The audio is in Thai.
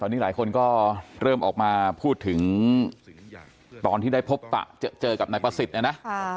ตอนนี้หลายคนก็เริ่มออกมาพูดถึงตอนที่ได้พบปะเจอกับนายประสิทธิ์เนี่ยนะ